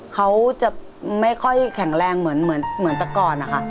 เขาจะไม่ค่อยแข็งแรงเหมือนแต่ก่อนนะคะ